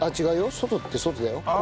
外って外だよ。